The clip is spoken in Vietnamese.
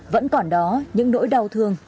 vẫn còn đó những nỗi đau thương